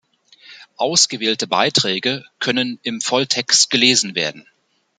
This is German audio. Ausgewählte Beiträge können im Volltext gelesen werden.